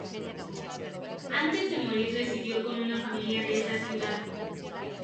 Antes de morir residió con una familia de esa ciudad.